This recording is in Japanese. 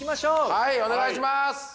はいお願いします。